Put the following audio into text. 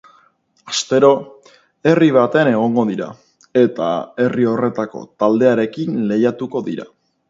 Astero, herri batean egongo dira, eta herri horretako taldearekin lehiatuko dira.